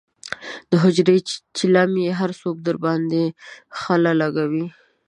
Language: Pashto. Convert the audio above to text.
د حجرې چیلم یې هر څوک درباندې خله لکوي.